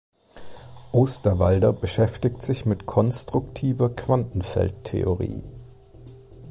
Osterwalder beschäftigt sich mit konstruktiver Quantenfeldtheorie.